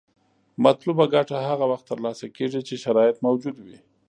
مطلوبه ګټه هغه وخت تر لاسه کیږي چې شرایط موجود وي.